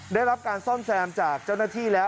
ได้รับการซ่อมแซมจากเจ้าหน้าที่แล้ว